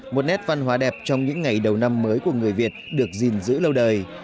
một nét văn hóa đẹp trong những ngày đầu năm mới của người việt được gìn giữ lâu đời